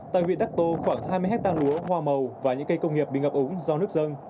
tại huyện đắc tô khoảng hai mươi hectare lúa hoa màu và những cây công nghiệp bị ngập ống do nước dân